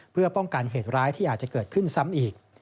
เพื่อป้องกันเหตุร้ายที่อาจจะเกิดขึ้นซ้ำอีก